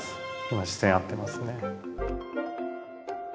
今視線合ってますね。